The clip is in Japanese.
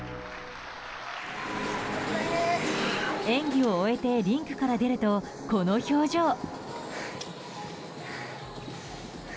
演技を終えてリンクから出るとこの表情。